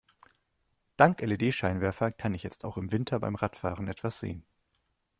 Dank LED-Scheinwerfer kann ich jetzt auch im Winter beim Radfahren etwas sehen.